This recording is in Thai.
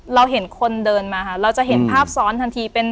เราเห็นคนเดินมาค่ะเราจะเห็นภาพซ้อนทันทีเป็น